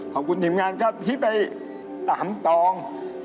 ขอบคุณทีมงานครับที่ไปตามตอง